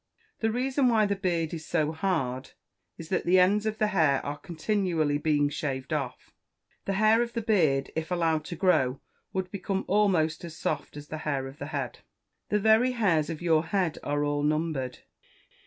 The reason why the beard is so hard is, that the ends of the hair are continually being shaved off. The hair of the beard, if allowed to grow, would become almost as soft as the hair of the head. [Verse: "The very hairs of your head are all numbered."